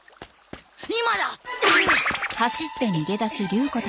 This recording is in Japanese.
今だ！